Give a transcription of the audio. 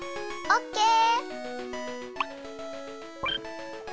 オッケー！